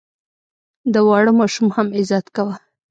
د واړه ماشوم هم عزت کوه.